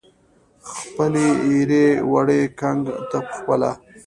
خپلې ایرې وړي ګنګ ته پخپله